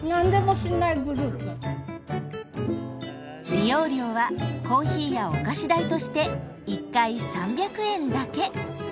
利用料はコーヒーやお菓子代として１回３００円だけ。